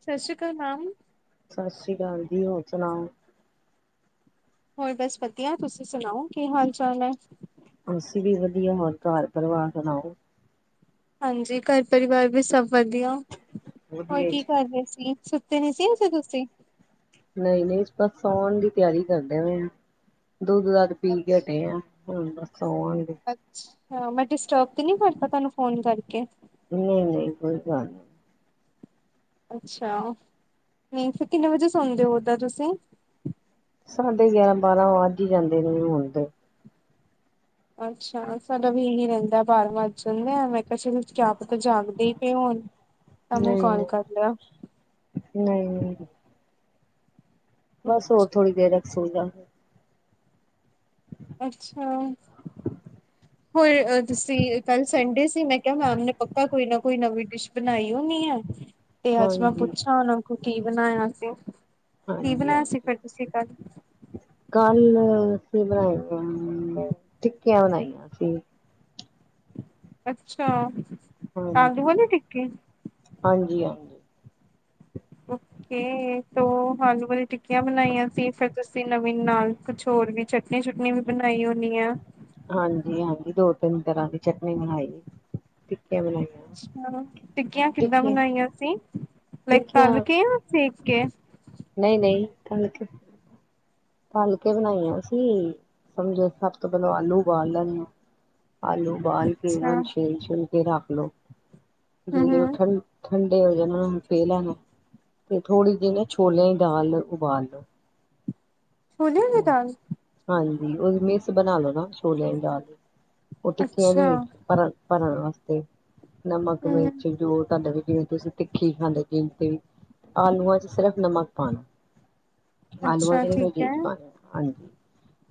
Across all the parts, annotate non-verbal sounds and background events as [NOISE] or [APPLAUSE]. ਸਤਿ ਸ੍ਰੀ ਅਕਾਲ ਮੈਮ। ਸਤਿ ਸ਼੍ਰੀ ਅਕਾਲ ਜੀ ਹੋਰ ਸੁਣਾਓ। ਹੋਰ ਬਸ ਵਧੀਆ ਤੁਸੀਂ ਸੁਣਾਓ? ਕੀ ਹਾਲ ਚਾਲ ਹੈ? ਅਸੀਂ ਵੀ ਵਧੀਆ ਹੋਰ ਘਰ ਪਰਿਵਾਰ ਸੁਣਾਓ? ਹਾਂਜੀ ਘਰ ਪਰਿਵਾਰ ਵੀ ਸਭ ਵਧੀਆ। ਹੋਰ ਵਧੀਆ ਕੀ ਕਰ ਰਹੇ ਸੀ ਸੁੱਤੇ ਨੀ ਸੀ ਅਜੇ ਤੁਸੀਂ? ਨਹੀਂ ਨਹੀਂ ਬਸ ਸੌਉਨ ਦੀ ਤਿਆਰੀ। [UNINTELLIGIBLE] ਦੁੱਧ ਦਾੱਧ ਪੀ ਕੇ ਹਟੇ ਆ ਹੁਣ ਸੌਵਾਂਗੇ ਅੱਛਾ ਮੈਂ ਡਿਸਟਰਬ ਤੇ ਨਹੀਂ ਕਰਦਾ ਤੁਹਾਨੂੰ ਫੋਨ ਕਰਕੇ? ਕਿ? ਨਹੀਂ ਨਹੀਂ ਕੋਈ ਗੱਲ ਨੀ। ਅੱਛਾ। ਨਹੀ ਫਿਰ ਕਿੰਨੇ ਵਜੇ ਸੋਦੇ ਹੋ ਓਦਾ ਤੁਸੀ ਸਾਢੇ ਗਿਆਰਾਂ ਬਾਰਾਂ ਅੱਜ ਹੀ ਜਾਂਦੇ ਨੇ ਹੁਣ ਤੇ ਅੱਛਾ ਸਡ ਵੀ ਨ ਰਹਿੰਦਾ ਬਾਰ ਵੱਜ ਜਾਦੇ ਨੇ ਕਿਆ ਪਤਾ ਜਾਗਦੇ ਹੀ ਪਏ ਹੋਣ ਤਾਂ ਮੈਂ ਕਾਲ ਕਰ ਲਿਆ ਨਹੀ- ਬਸ ਹੋਰ ਥੋੜੀ ਦੇਰ ਸਹੀ ਗੱਲ ਅੱਛਾ [UNINTELLIGIBLE] ਹੋਰ ਅ ਤੁਸੀ ਕੱਲ ਸੰਡੇ ਸੀ ਮੈਂ ਕਿਹਾ ਮੈਮ ਨੇ ਪਤਾ ਕੋਈ ਨਾ ਕੋਈ ਨਵੀਂ ਡਿਸ਼ ਬਣਾਈ ਹੋਣੀ ਹੈ। ਤੇ ਅੱਜ ਮੈਂ ਹਾਂਜੀ ਪੁੱਛਾਂ ਉਹਨਾਂ ਨੂ ਕੁਛ ਕੀ ਬਣਾਇਆ ਸੀ ਕੀ ਹਾਂਜੀ ਬਣਾਇਆ ਸੀ ਹਾਂਜੀ ਫਿਰ ਤੁਸੀ ਕਲ ਕੱਲ ਸਵੇਰੇ [UNINTELLIGIBLE] ਟਿੱਕੀਆਂ ਬਣਾਈਆਂ ਸੀ ਅੱਛਾ- ਹਾਂਜੀ [UNINTELLIGIBLE] [INAUDIBLE] ਓਕੇ ਤੋ ਆਲੂ ਵਾਲੀ ਟਿੱਕੀਆਂ ਬਣਾਈਆਂ ਸੀ ਫਿਰ ਤੁਸੀ ਨਵੀਨ ਨਾਲ ਕੁਛ ਹੋਰ ਵੀ ਚਟਨੀ ਚੁਟਨੀ ਵੀ ਬਣਾਈ ਹੋਣੀ ਆ ਹਾਂਜੀ- ਹਾਂਜੀ ਦੋ ਤਿੰਨ ਤਰ੍ਹਾਂ ਦੀ ਚਟਨੀ ਬਣਾਈ ਟਿੱਕੀਆਂ ਬਣਾਈਆਂ ਅੱਛਾ- ਟਿੱਕੀਆਂ ਕਿੱਦਾਂ ਬਣਾਈਆਂ ਸੀ। ਯਾ ਟਿੱਕੀਆਂ ਤਲਕੇ ਜਾ ਸੇਕ ਕੇ ਨਹੀਂ ਨਹੀਂ ਤਲ ਕੇ ਤਲਕੇ ਬਣਾਈ ਸੀ ਸਮਝੋ ਸਭ ਤੋਂ ਪਹਿਲਾਂ ਆਲੂ ਉਬਾਲ ਲੈਣੇ ਆਲੂ ਉਬਾਲ ਕੇ ਅੱਛਾ ਉਹਨੂ ਛਿਲ ਛੁਲ ਕੇ ਰੱਖ ਹੈਲੋ- ਹੂੰ ਜਿੜੇ ਹੂੰ ਉਠਨ- ਉਠਨ ਤੇ ਉਨੂੰ ਫੇ ਲੈਣਾ ਤੇ ਥੋੜ੍ਹੀ ਜਿਹੀ ਨਾ ਛੋਲਿਆਂ ਹੀ ਦਾਲ ਉਬਾਲ ਲੋ ਛੋਲਿਆਂ ਦੀ ਦਾਲ ਹਾਂਜੀ ਉਹਨੂ ਮਿਕਸ ਬਣਾ ਲੋ ਨਾ ਛੋਲਿਆਂ ਦੀ ਦਾਲ ਉਹ ਟਿੱਕਿਆਂ ਦੇ ਅੱਛਾ ਵਿੱਚ ਭਰਨ ਵਾਸਤੇ ਨਮਕ ਹੂੰ ਮਿਰਚ ਜੋ ਤੁਹਾਡੇ ਵਿੱਚ ਜਿਵੇਂ ਤੁਸੀਂ ਤਿੱਖੀ ਖਾਂਦੇ ਜਿ ਤੇ ਆਲੂਆਂ ਚ ਸਿਰਫ਼ ਨਮਕ ਪਾਣਾ। ਅਧ ਬ। ਅੱਛਾ ਠੀਕ ਹੈ [INAUDIBLE] ਹਾਂਜੀ।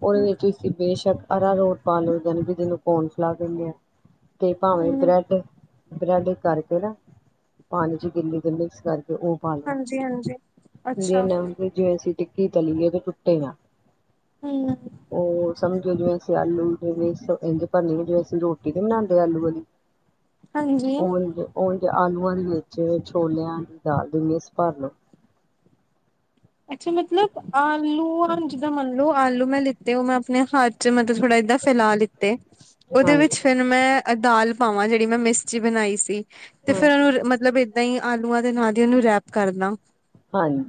ਉਹਦੇ ਵਿੱਚ ਬੇਸ਼ੱਕ ਅਰਾਰੂਟ ਪਾਲੋ ਜਨ ਜਿਹਨੂੰ ਕੌਨ ਸਲਾਹ ਦਿੰਦੇ ਆ। ਤੇ ਭਾਵੇਂ ਹੂੰ ਬ੍ਰੈਡ ਬਰੈਡ ਕਰਕੇ ਨਾ ਪਾਣੀ ਚ ਗਿੱਲੀ ਤੇ ਮਿਕਸ ਕਰਕੇ ਉਹ ਪਾ ਲੋ ਹਾਂਜੀ ਹਾਂਜੀ ਅੱਛਾ ਜਸੀ। [UNINTELLIGIBLE] ਕੀ ਤਲੀਏ ਅੀ ਆਂ। ਕੋਈ ਨਾ ਫਿਰ ਸਮਝੋ ਜਿਵੇਂ ਅਸੀ ਆਲੂ ਜਿਵੇਂਸ ਕਦੇ ਭਰਵੀਂ ਜਿਵੇੰ ਅਸੀਂ ਰੋਟੀ ਨੀ ਬਣਾਉਂਦੇ ਆਲੂ ਵਾਲੀ ਹਾਂਜੀ ਉ ਆਲੂਆਂ ਦੇ ਵਿੱਚ ਛੋਲਿਆਂ ਦੀ ਦਾਲ ਦੀ ਮੇਸ ਭਰ ਲੋ ਅੱਛਾ ਮਤਲਬ ਆਲੂ ਆ ਜਿੱਦਾਂ ਮੰਨ ਲੋ ਆਲੂ ਮੈਂ ਲਿੱਤੇ ਹੋ ਮੈਂ ਆਪਣੇ ਹੱਥ ਮਤਲਬ ਥੋੜਾ ਏਦਾਂ ਫੈਲਾ ਲਿੱਤੇ, ਔਦੇ ਹਾਂਜੀ ਵਿੱਚ ਫਿਰ ਮੈਂ ਐ ਦਾਲ ਪਾਵਾਂ ਜਿਹੜੀ ਮੈਂ ਮਿਸਚੀ ਬਣਾਈ ਸੀ। ਤੇ ਫੇਰ ਹਾਂਜੀ ਉਹਨੂੰ ਮਤਲਬ ਏਦਾਂ ਹੀ ਆਲੂਆਂ ਦੇ ਨਾਲ ਹੀ ਔਨੂੰ ਰੈਪ ਕਰਨਾ। ਹਾਂਜੀ।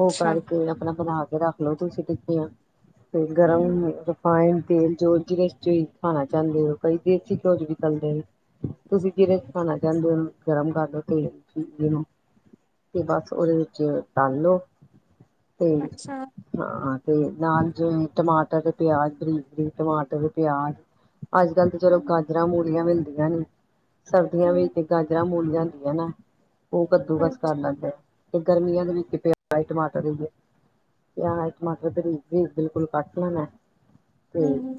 ਔ ਕਰ ਕੇ ਆਪਣਾ ਬਣਾ ਕੇ ਰਖਲੋ ਤੁੂੰਸੀ ਪੀਪੀਆਂ। ਤੇ ਹਮ ਗਰਮ ਰਿਫਾਈਨ ਤੇਲ ਜੋ ਜਿਹਦੇ 'ਚ ਖਾਣਾ ਚਾਹੁੰਦੇ ਹੋ ਕਈ ਦੇਸੀ ਘਓਜ਼ ਵੀ ਚਲਦੇ ਨੇ, ਤੁਸੀਂ ਜਿਹਦੇ ' ਖਾਣਾ ਚਾਹੁੰਦੇ ਹੋ ਔਨੂੰ ਗਰਮ ਕਰ ਲੋ ਤੇਲ ਨੂ, ਤੇ ਬਸ ਉਹਦੇ ਵਿੱਚ ਡਾਲ ਲਓ ਤੇ ਅੱਛਾ ਹਾਂ। ਤੇ ਨਾਲ ਜਿਵੇਂ ਟਮਾਟਰ ਦੇ ਪਿਆਜ ਬਰੀਕ ਬਰੀਕ ਟਮਾਟਰ ਦੇ ਪਿਆਜ ਅੱਜ ਕੱਲ ਤੇ ਚਲੋ ਗਾਜਰਾਂ ਤੇ ਮੂਲਿਆਂ ਮੂਲਿਆਂ ਮਿਲਦੀਆਂ ਨੇ। ਸਰਦੀਆਂ ਹਮ ਵਿੱਚ ਗਾਜਰਾਂ ਮੂਲਿਆਂ ਲਿਆਂਦੀਆਂ ਨੇ, ਯਾ ਉਹ ਕੱਦੂਕਸ ਕਰ ਹਾਂਜੀ ਲੈਂਦੇ, ਤੇ ਗਰਮੀਆਂ ਦੇ ਵਿੱਚ ਕਿ ਪਿਆ ਟਬਈ ਟਮਾਟਰ ਵੀ ਐ, ਟਮਾਟਰ ਤੇ ਬਿਲਕੁਲ ਘੱਟ ਲੈਣਾ ਹੈ। ਤੇ ਹਮ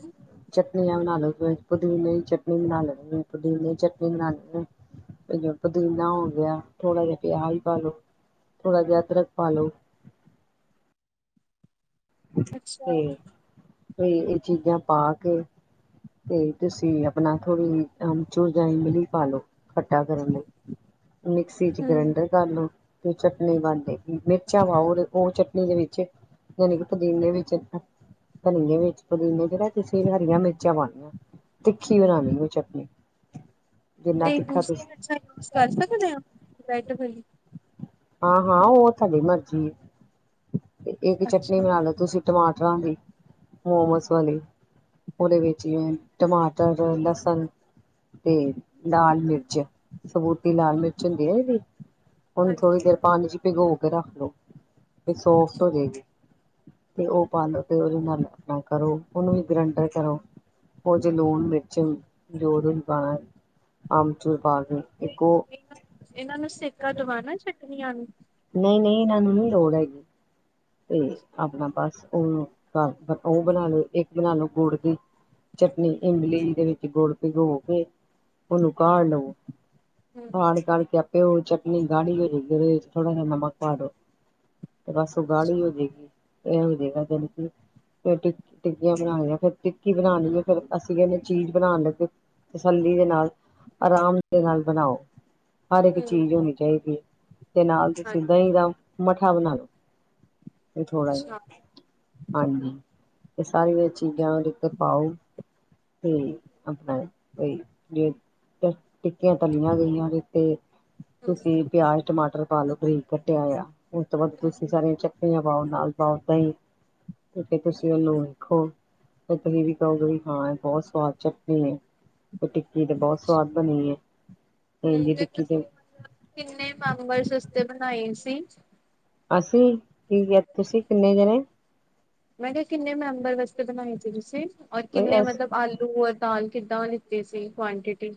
ਚਟਨੀਆਂ ਬਣਾ ਲੋ ਪੁਦੀਨੇ ਦੀ ਚੱਟਨੀ ਦਹੀ ਨਾਲ ਔ ਵੀ ਪੁਦੀਨੇ ਦੀ ਚਟਨੀ ਬਨਾਨੀ ਏ ਇੱਕ ਪੁਦੀਨਾ ਹੋ ਗਿਆ ਥੋੜਾ ਜਿਹਾ ਪਿਆਜ ਵੀ ਪਾ ਦਿਓ ਥੋੜਾ ਜਿਹਾ ਅਦਰਕ। ਪਾ ਲਓ ਅੱਛਾ ਤੇ ਤੇ ਇਹ ਚੀਜਾਂ ਪਾ ਕੇ ਤੇ ਤੁਸੀ ਅਪਨਾ ਥੋੜ੍ਹੀ ਅਮਚੂਰ ਜਾਂ ਇਮਲੀ ਪਾ ਲਓ ਖੱਟਾ ਕਰਨ ਲਈ। ਮਿਕਸੀ ਚ ਹਮ ਗ੍ਰੈਂਡਰ ਕਰ ਲਓ ਤੇ ਚਟਨੀ ਬਣ ਜਾਏਗੀ ਮਿਰਚਾਂ ਪਾਓ ਤੇ ਉਹ ਚਟਨੀ ਦੇ ਵਿੱਚ। ਯਾਨੀ ਕਿ ਪੁਦੀਨੇ ਵਿੱਚ। ਧਨੀਏ ਵਿੱਚ ਪੁਦੀਨੇ ਚ ਨਾ ਤੁਸੀਂ ਹਰੀਆਂ ਮਿਰ ਚਾਂ ਪਾਉਨੀਆਂ ਤਿੱਖੀ ਬਣਾਨੀ ਜੇ ਉਹ ਚਟਨੀ। ਜਿੰਨਾ ਤੇ ਤਿੱਖਾ ਦੂਸਰੀ ਤੁਸੀਂ ਮਿਰਚਾਂ ਯੂਜ਼ ਕਰ ਸਕਦੇ ਆਂ। ਰੈੱਡ ਵਾਲੀ ਹਾਂ-ਹਾਂ ਉਹ ਤੁਹਾਡੀ ਮਰਜੀ। ਤੇ ਇੱਕ ਚਟਨੀ ਅੱਛਾ ਬਣਾਨੀ ਤੁਸੀ। ਟਮਾਟਰਾਂ ਦੀ ਮੋਮੋਸ ਵਾਲੀ ਉਹਦੇ ਵਿੱਚ ਵੀ ਟਮਾਟਰ ਲਹਸੁਨ ਤੇ ਲਾਲ ਮਿਰਚ ਸਬੂਤੀ ਲਾਲ ਮਿਰਚ ਹੁੰਦੀ ਹੈ ਥੋੜ੍ਹੀ ਹਾਂਜੀ ਦੇਰ ਪਾਣੀ ਇਚ ਭਿਗੋ ਤੇ ਰੱਖ ਲਓ ਤੇ ਸੋਫਟ ਹੋ ਜਾਏਗੀ ਤੇ ਉਹ ਪਾਲਓ ਫੇਰ ਉਹਦੇ ਨਾਲ ਆਪਨਾ ਕਰੋ ਉਹਨੂੰ ਵੀ ਗਰੈਂਡਰ ਕਰੋ ਉਹ ਚ ਲੂਣ ਮਿਰਚ ਜੋ ਜੋ ਵੀ ਪਾਓਣਾ ਅਮਚੂਰ ਤੇ ਇਹਨਾਂ ਨੂੰ ਇਹਨਾਂ ਨੂੰ ਸੇਕਾ ਦਵਾਨਾ ਫੇਰ। [UNINTELLIGIBLE] ਨਹੀਂ-ਨਹੀਂ ਇਹਨਾਂ ਨੂੰ ਨੀ ਲੋੜ ਹੈਗੀ। ਤੇ ਆਪਣਾ ਬਸ ਵੀ ਬਣਾ ਲਿਓ ਇੱਕ ਬਣਾ ਲਓ ਗੁੜ ਦੀ ਚਟਨੀ ਇਮਲੀ ਦੇ ਵਿੱਚ ਗੁੜ ਭਿਗੋ ਕੇ ਉਹਨੂੰ ਕਾਡ ਲਵੋ। [INAUDIBLE] ਹਮ ਤੇ ਓਹ ਚਟਣੀ ਗਾੜੀ ਹੋ ਜਾਏਗੀ ਇਸ੍ ਵਿੱਚ ਥੋੜਾ ਜਿਹਾ ਨਮਕ ਪਾ ਦਿਓ ਤੇ ਬਸ। ਗਾੜੀ ਹੋ ਜਾਏਗੀ। ਇਹ ਹੋ ਜਾਏਗਾ ਜਿਹਨੇਂ ਚਿਰ ਓਹ ਟਿਕ ਟਿੱਕੀਆਂ ਬਣਾਣ ਵਾਲਾ ਫੇਰ ਟਿੱਕੀ ਬਣਾਨੀ ਏ ਫੇਰ ਅਸੀ ਪਹਿਲੇ ਚੀਜ ਬਣਾਉਣ ਲੱਗੋ ਤਸੱਲੀ ਦੇ ਨਾਲ ਆਰਾਮ ਦੇ ਨਾਲ ਬਣਾਓ। ਹਰ ਇੱਕ ਚੀਜ ਹਮ ਹੋਣੀ ਚਾਹੀਦੀ ਏ। ਤੇ ਨਾਲ ਮਠਾ ਬਣਾ ਲੋ। ਇਹ ਥੋੜਾ ਆ ਅੱਛਾ ਹਾਂਜੀ। ਇਹ ਸਾਰੀਆਂ ਚੀਜਾਂ ਓਹਦੇ ਉੱਤੇ ਪਾਓ ਤੇ ਆਪਣਾ ਕੋਈ ਜੇ ਤਾਂ ਟਿੱਕੀਆਂ ਤਲੀਆਂ ਗਈਆਂ ਓਹਦੇ ਉਤੇ। ਹੂੰ। ਤੁਸੀ ਪਿਆਜ ਟਮਾਟਰ ਪਾ ਲਓ ਪਨੀਰ ਕੱਟਿਆਂ ਆਇਆ। ਉਹ ਤਾਂ ਬਸ ਤੁਸੀਂ ਸਾਰੇ। ਧਨੀਆ ਪਾਓ ਨਾਲ ਪਾਓ ਦਹੀ ਤੇ ਫਿਰ ਤੁਸੀਂ ਉਹਨੂੰ ਵੇਖੋ ਫੇਰ ਤੁਸੀਂ ਵੀ ਕਹੋਗੇ ਵੀ ਹਾਂ ਇਹ ਬਹੁਤ ਸਵਾਦ ਚਟਣੀ ਹੈ। ਤੇ ਟਿੱਕੀ ਤੇ ਬਹੁਤ ਸਵਾਦ ਬਣੀ ਹੈ। ਸੇਮ ਹੂੰ ਦੀ ਤੇ ਟਿੱਕੀ ਤੁਸੀਂ ਮਤਲਬ ਕਿੰਨੇ ਮੈਂਬਰ ਵਾਸਤੇ ਬਣਾਏ ਸੀ। ਅੱਛਾ। [UNINTELLIGIBLE] ਅਸੀਂ। ਕੀ ਕਿਹਾ ਤੁਸੀਂ ਕਿੰਨੇ ਜਾਣੇ? ਤੇ ਬਣਾਏ ਸੀ ਤੁਸੀਂ। ਔਰ ਕਿੰਨੇ ਮਤਲਬ ਆਲੂ ਔਰ ਦਾਲ? ਕਿੱਦਾਂ ਲਈ ਸੀ ਕੁਆਂਟਿਟੀ।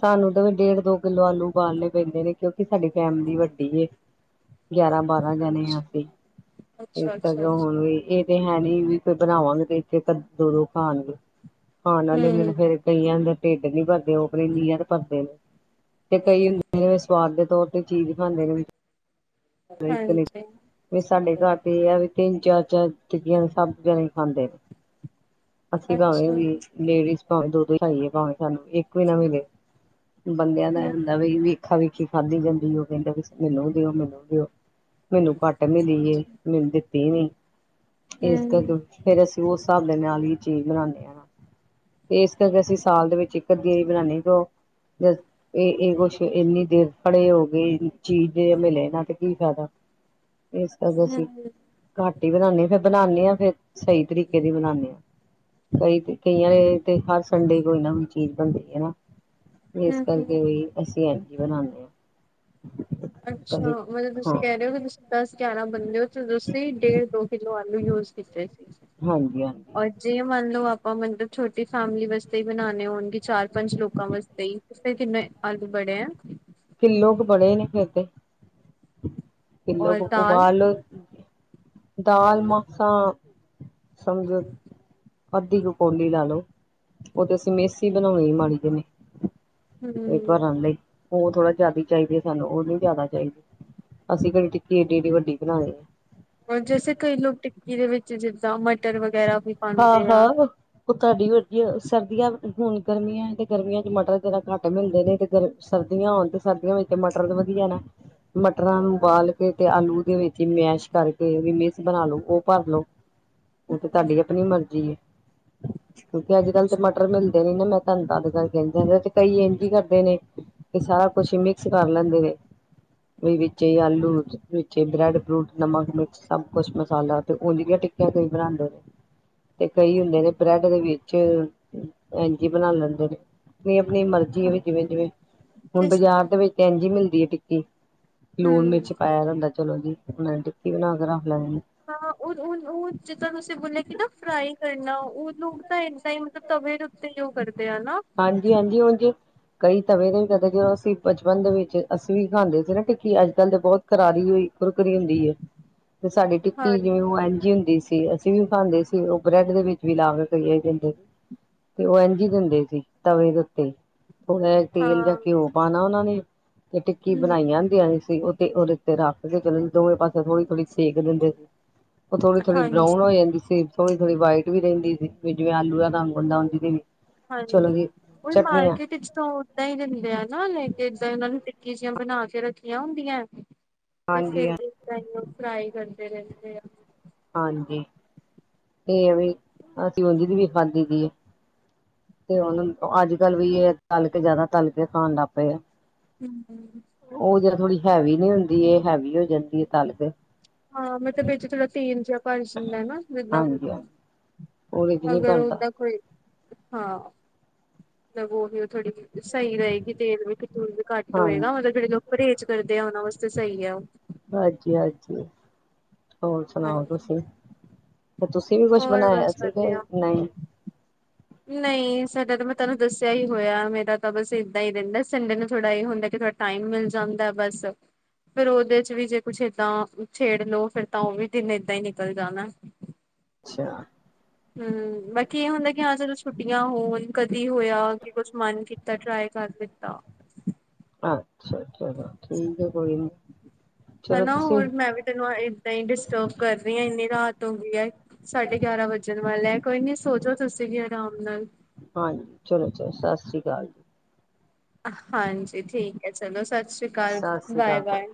ਸਾਨੂੰ ਤਾਂ ਡੇਢ ਦੋ ਕਿੱਲੋ ਆਲੂ ਉਵਾਲੇ ਪਾਲਣੇ ਪੈਂਦੇ ਨੇ ਕਿਉਂਕਿ ਸਾਡੀ ਫੈਮਿਲੀ ਵੱਡੀ ਹੈ। [UNINTELLIGIBLE] ਗਿਆਰਾਂ ਬਾਰਾਂ ਜਾਣੇ ਹਾਂ ਅਸੀਂ ਇਸ ਕਰਕੇ ਅੱਛਾ-ਅੱਛਾ-ਅੱਛਾ ਹੁਣ ਵੀ ਇਹ। ਇਹ ਤੇ ਹੈ ਨੀ ਵੀ ਫੇਰ ਬਣਾਵਾਂਗੇ ਤੇ ਇੱਥੇ ਕ ਦੋ ਦੋ ਖਾਣਗੇ। ਹਾਂ ਨਾਲੇ ਬਿਨ ਹੂੰ ਫੇਰ ਕਈਆਂ ਦੇ। ਢਿੱਡ ਨੀ ਭਰਦੇ ਉਹ। ਵਿੰਨ ਲੀਹਾ ਤੋ ਭਰਦੇ ਨੇ। [UNINTELLIGIBLE] ਤੇ ਕਈ ਹੁੰਦੇ ਨੇ ਸਵਾਦ ਦੇ ਤੌਰ ਤੇ। ਤੇ ਚੀਜ਼ ਪਾਉਂਦੇ ਨੇ। ਇੱਕ ਨੇ ਹਾਂਜੀ ਤੇ ਸਾਡੇ ਘਰ ਤੇ ਆ ਵੀ ਤਿੰਨ ਚਾਰ ਚਾਰ ਟਿੱਕੀਆਂ। ਸਬਜ਼ੀਆ ਨਾਲ ਹੀ ਖਾਂਦੇ ਨੇ। ਅਸੀਂ ਭਾਵੇਂ ਅੱਛਾ। ਵੀ ਲੇਡੀਜ਼। ਭਾਵੇਂ ਦੋ ਦੋ ਖਾਈਏ ਭਾਵੇਂ। ਸਾਨੂੰ ਇੱਕ ਵੀ ਨਾ ਮਿਲੇ ਬੰਦਿਆਂ ਦਾ ਆਏ ਹੂੰ ਹੁੰਦਾ ਵੀ ਵੇਖਾ ਵੇਖੀ ਖਾਧੀ ਜਾਂਦੀ ਹੋਵੇ। ਵਿੰਡੋ ਵਿੱਚ ਦੀ ਲੈ ਗਏ ਹੋ ਮੈਨੂੰ ਵੀ ਦਿਓ। ਮੈਨੂੰ ਘੱਟ ਮਿਲੀ ਹੈ ਮੈਨੂੰ। ਦਿੱਤੀ ਨੀ। ਇਸ ਕਦ ਹੂੰ ਫੇਰ ਅਸੀਂ ਉਸ ਹਿਸਾਬ ਦੇ ਨਾਲ ਹੀ। [UNINTELLIGIBLE] [UNINTELLIGIBLE] ਚੀਜ਼ ਬਣਾਉਂਦੇ ਆ। ਤੇ ਇਸ ਕਰਕੇ ਅਸੀਂ ਸਾਲ ਦੇ ਵਿੱਚ। ਕਦੀ ਬਣਾਉਣੀ ਆ ਦੋ ਇਹ ਇਹ ਕੁੱਛ ਇੰਨੀ ਦੇਰ ਖੜੇ ਹੋ ਗਏ। ਚੀਜ਼ ਜੇ ਮਿਲੇ ਨਾ ਤੇ ਕੀ ਫਾਇਦਾ। ਇਸ ਕਰਕੇ ਅਸੀਂ ਹੂੰ ਘੱਟ ਹੀ ਬਣਾਦੇ ਹਾਂ ਫਿਰ ਬਣਾਦੇ ਹਾਂ ਫਿਰ ਸਹੀ ਤਰੀਕੇ ਦੀ ਬਣਾਦੇ ਹਾਂ। ਕਈ ਕਈਆਂ ਨੇ ਤੇ ਹਰ ਸੰਡੇ। [UNINTELLIGIBLE] ਇਸ ਕਰਕੇ ਹੂੰ-ਹੂੰ ਵੀ ਅਸੀਂ [UNINTELLIGIBLE] [UNINTELLIGIBLE] ਅੱਛਾ। ਕਦੇ ਮਤਲਬ ਹਾਂ ਤੁਸੀਂ ਕਹਿ ਰਹੇ ਹੋ ਕਿ ਤੁਸੀਂ ਦਸ ਗਿਆਰਾਂ ਬੰਦੇ ਹੋ ਤੁਸੀਂ ਡੇਢ ਦੋ ਕਿੱਲੋ ਆਲੂ ਯੂਜ ਕੀਤੇ ਸੀ। ਹਾਂਜੀ ਹਾਂਜੀ ਔਰ ਜੇ ਮੰਨ ਲਓ ਆਪ ਉਹ ਮਤਲਬ ਛੋਟੀ ਫੈਮਲੀ ਵਾਸਤੇ ਹੀ ਬਣਾਉਣੇ ਹੋਣਗੇ ਚਾਰ ਪੰਜ ਲੋਕਾਂ ਵਾਸਤੇ ਹੀ ਫੇਰ ਕਿੰਨੇ ਆਲੂ ਬੜੇ ਆ। ਕਿੱਲੋ ਕ ਬੜੇ ਨੇ ਫੇਰ ਤੇ। ਕਿੱਲੋ ਔਰ ਕ ਦਾਲ ਉਬਾਲ ਲੋ ਦਾਲ ਮਸਾਂ [UNINTELLIGIBLE] ਅੱਧੀ ਕ ਕੌਲੀ ਲਾ ਲੋੋ ਉਹ ਤੇ ਅਸੀਂ ਮੇਸ ਈ ਬਣਾਉਨਿ ਮਾੜੀ ਜਿੰਨੀ ਹਮ [UNINTELLIGIBLE] ਉਹ ਥੋੜਾ ਜਿਆਦਾ ਚਾਹੀਦੀ ਏ ਸਾਨੂੰ ਉਹ ਨੀ ਜ਼ਿਆਦਾ ਚਾਹੀਦੀ ਅਸੀਂ ਕੇੜੀ ਟਿੱਕੀ ਏਨੀ ਵੱਡੀ ਵੱਡੀ ਬਨਾਨੀ ਔਰ ਜੈਸੇ ਕਈ ਲੋਕ ਟਿੱਕੀ ਦੇ ਵਿੱਚ ਜ ਜਾਂ ਮਟਰ ਵਗੈਰਾ ਵੀ ਹਾਂ ਪਾਂਦੇ ਆ। ਹਾਂ ਉਹ ਤੁਹਾਡੀ ਵੱਡੀ ਸਰਦੀਆਂ ਹੁਣ ਗਰਮੀਆਂ ਤੇ ਗਰਮੀਆਂ ਚ ਮਟਰ ਜਰਾ ਘੱਟ ਮਿਲਦੇ ਨੇ ਤੇ ਗਰ ਸਰਦੀਆਂ ਹੋਣ ਤੇ ਸਰਦੀਆਂ ਵਿੱਚ ਮਟਰ ਤੇ ਵਧੀਆ ਨਾ। ਮਟਰਾਂ ਨੂੰ ਉਬਾਲ ਕੇ ਤੇ ਆਲੂ। ਵਿੱਚ ਹੀ ਮੈਸ਼ ਕਰਕੇ ਮੇਸ ਬਣਾ ਲੋ ਉਹ ਭਰ ਲੋ। ਉਹ ਤੇ ਹਮ ਤੁਹਾਡੀ ਆਪਣੀ ਮਰਜ਼ੀ ਏ। ਕਿਉਂਕਿ ਅੱਜ, ਕੱਲ੍ਹ ਤੇ ਮਟਰ ਮਿਲਦੇ ਨੀ ਨਾ ਮੈਂ ਤਾਨੂੰ ਤਾਦ ਕਾਰ ਕੇ। [INAUDIBLE] [UNINTELLIGIBLE] [UNINTELLIGIBLE] ਕੁਛ ਮਿਕਸ ਕਰ ਲੈਂਦੇ ਨੇ ਉਹ ਵਿੱਚ ਹੀ ਆਲੂ ਵਿੱਚ ਬ੍ਰੈਡ ਬਰੂਡ ਨਮਕ ਮਿਕਚ ਸਭ ਕੁਛ ਮਸਾਲਾ ਤੇ [UNINTELLIGIBLE] ਟਿੱਕੀਆਂ ਤੇ। [UNINTELLIGIBLE] ਤੇ ਕਈ ਹੁੰਦੇ ਨੇ ਬ੍ਰੈਡ ਦੇ ਵਿੱਚ- ਐਂਜ ਇ ਬਣਾ ਲੈਂਦੇ ਨੇ। ਜਿਨੀ ਮਰਜੀ [UNINTELLIGIBLE] ਹੁਣ ਬਾਜ਼ਾਰ ਦੇ ਵਿੱਚ ਐਂਜ ਇ ਮਿਲਦੀ। [UNINTELLIGIBLE] ਲੂਣ ਮਿਰਚ ਪਾਯਾ ਦਾ ਹੁੰਦਾ ਚਲੋ ਜੀ। [UNINTELLIGIBLE] [UNINTELLIGIBLE] ਜਿੱਦਾਂ ਤੁਸੀਂ ਬੋਲਯਾ ਸੀ ਨਾ ਫਰਾਈ ਕਰਨੀ। [UNINTELLIGIBLE] ਉਹ ਲੋਕ ਤਾਂ ਇੱਦਾਂ ਹੀ ਮਤਲਬ ਤਵੇ ਦੇ ਉੱਤੇ ਜੋ ਕਰਦੇ। ਆ ਨਾ ਹਾਂਜੀ-ਹਾਂਜੀ, ਹੂਜੰ ਕਈ ਤਵੇ ਦੇ ਵੀ ਕਦੇ ਜਦੋਂ ਅਸੀਂ ਬਚਪਨ ਦੇ ਵਿੱਚ ਅਸੀਂ ਵੀ ਖਾਂਦੇ ਸੀ ਨਾ ਟਿੱਕੀ ਅੱਜ-ਕੱਲ ਤੇ ਬਹੁਤ ਕਰਾਰੀ ਹੋਈ ਖੁਰਕਰੀ ਹੁੰਦੀ ਹੈ। ਤੇ ਸਾਡੀ ਹਾਂ ਟਿੱਕੀ ਜਿਵੇਂ ਉਹ ਐਨ ਜੀ ਹੁੰਦੀ ਸੀ। ਤੇ ਅਸੀਂ ਵੀ ਖਾਂਦੇ ਸੀ। ਉਹ ਬ੍ਰੈਡ ਦੇ ਵਿੱਚ ਵੀ ਲਾ ਕੇ ਕਈਏ ਦਿੰਦੇ ਸੀ ਤੇ ਉਹ ਇੰਝ ਦਿੰਦੇ ਸੀ। ਤਵੇ ਦੇ ਉੱਤੇ ਥੋੜ੍ਹਾ ਜ ਤੇਲ ਜਾਂ ਹਾਂ ਘਿਓ ਪਾਣਾ ਉਹਨਾਂ ਨੇ ਤੇ ਟਿੱਕੀ ਹਮ ਬਣਾਈਆਂ ਹੁੰਦੀਆਂ ਸੀ। ਉਹ ਤੇ ਉਹਦੇ ਤੇ ਰੱਖ ਕੇ ਚਲੋ ਜ ਦੋਵੇਂ ਪਾਸੇ ਥੋੜ੍ਹੀ-ਥੋੜ੍ਹੀ ਸੇਕ ਦਿੰਦੇ ਸੀ। ਉਹ ਥੋੜੀ-ਥੋੜੀ ਬਰਾਊਨ ਹੋ ਹਾਂਜੀ ਜਾਂਦੀ ਸੀ। ਥੋੜੀ-ਥੋੜੀ ਵਾਈਟ ਵੀ ਰਹਿੰਦੀ ਸੀ ਵੀ ਜਿਵੇਂ ਆਲੂ ਰੰਗ ਹੁੰਦਾ-ਹੁੰਦੀ ਤੇ ਵੀ ਉਹ ਮਾਰਕੀਟ ਵਿਚ ਤਾਂ ਉਦਾਂ ਹੀ ਦਿੰਦੇ ਆ ਲੈਕੇ ਏਦਾਂ ਹੀ ਇਹਨਾਂ ਨੂੰ ਚੀਜੀਆਂ ਬਣਾ ਕੇ ਰੱਖੀਆਂ ਹੁੰਦੀਆਂ। ਤੇ ਫਿਰ ਹਾਂਜੀ ਇੱਕ ਡਾਊਨਲੋਡ। ਪੜਾਈ ਕਰਦੇ ਰਹਿੰਦੇ ਆ। ਹਾਂਜੀ, ਇਹ ਹੈ ਵੀ, ਤੇ ਅਸੀਂ ਉਹਦੀ ਦੀ ਵੀ ਖਾਧੀ ਦੀ ਆ, ਤੇ ਉਹਨੂੰ ਅੱਜ -ਕੱਲ ਵੀ ਇਹ ਤਲ ਕੇ ਜਿਆਦਾ ਤਲ ਕੇ ਖਣ ਲੱਗ ਪਏ ਆ। ਹੂੰ। ਉਹ ਜ ਥੋੜੀ ਹੈਵੀ ਨਹੀਂ ਹੁੰਦੀ। ਦੀ ਇਹ ਹੈਵੀ ਹੋ ਜਾਂਦੀ ਹੈ ਤਲ ਕੇ ਹਾਂ, ਮਤਲਬ ਥੋੜਾ ਤੇਲ ਜਿਹਾ ਭਰ ਜਾਂਦਾ ਨਾ ਜਿੱਦਾਂ ਕੋਈ ਹਾਂਜੀ ਹਾਂਜੀ। ਉਹਦੇ ਚ ਨੀ ਅਗਰ ਬਣਦਾ ਓਦਾਂ ਕੋਈ ਹਾਂ, ਤੇ ਉਹ ਹੀ ਥੋੜੀ ਸਹੀ ਰਹੇਗੀ ਤੇਲ ਵੀ ਵੀ ਘੱਟ ਹਾਂਜੀ ਹੋਏਗਾ ਮਤਲਬ ਜਿਹੜੇ ਲੋਕ ਪਰਹੇਜ ਕਰਦੇ ਆ ਉਹਨਾਂ ਵਾਸਤੇ ਸਹੀ ਆ ਉਹ ਹਾਂਜੀ ਹਾਂਜੀ। ਹੋਰ ਸੁਣਾਓ, ਹਾਂਜੀ ਤੁਸੀਂ? ਤੇ ਤੁਸੀਂ ਵੀ ਕੁਛ ਹੋਰ ਬਣਾਇਆ ਬਸ ਸੀ ਕਿ ਵਧੀਆ। ਨਹੀਂ? ਨਹੀਂ, ਸਾਡਾ ਤਾਂ ਮੈਂ ਤੁਹਨੂੰ ਦੱਸਿਆ ਹੀ ਹੋਇਆ ਮੇਰਾ ਤਾਂ ਬਸ ਏਦਾਂ ਹੀ ਰਹਿੰਦਾ ਸੰਡੇ ਨੂੰ ਥੋੜਾ ਇਹ ਹੁੰਦਾ ਕਿ ਥੋੜਾ ਟਾਈਮ ਮਿਲ ਜਾਂਦਾ ਬਸ, ਫੇਰ ਉਹਦੇ ਚ ਵੀ ਜੇ ਕੁਛ ਏਦਾਂ ਛੇੜ ਲੋ ਫਿਰ ਤਾਂ ਉਹ ਵੀ ਦਿਨ ਏਦਾਂ ਹੀ ਨਿਕਲ ਜਾਣਾ। ਅੱਛਾ। ਹੂੰ, ਬਾਕੀ ਇਹ ਹੁੰਦਾ ਕਿ ਹਾਂ ਚਲੋ ਛੁੱਟੀ ਯਾ ਹੋਣ ਕਦੇ ਕੀ ਹੋਇਆ, ਕਿ ਕੁਛ ਮਨ ਕੀਤਾ, ਟਰਾਈ ਕਰ ਦਿੱਤਾ। ਅੱਛਾ, ਚਲੋ ਠੀਕ ਹੈ ਕੋਈ ਨੀ ਚਲੋ ਹੈਨਾ ਤੁਸੀਂ ਹੋਰ ਮੈਂ ਵੀ ਤੈਨੂੰ ਏਦਾਂ ਹੀ ਡਿਸਟਰਬ ਕਰ ਰਹੀ ਹਾਂ, ਇੰਨੀ ਰਾਤ ਡੋਗੀ ਆਈ ਸਾਢੇ ਗਿਆਰਾਂ ਵਜਣ ਵਾਲੇ ਐ। ਕੋਈ ਨੀ ਸੋਜੋ ਤੁਸੀਂ ਵੀ ਆਰਾਮ ਨਾਲ। ਹਾਂਜੀ ਚਲੋ ਚਲੋ ਸਤਿ ਸ੍ਰੀ ਅਕਾਲ ਜੀ। ਹਾਂਜੀ ਠੀਕ ਹੈ ਚਲੋ ਸੱਚ ਸਤਿ ਸ਼੍ਰੀ ਅਕਾਲ, ਸਤਿ ਸ੍ਰੀ ਬਾਏ ਅਕਾਲ ਸਰ। -ਬਾਏ।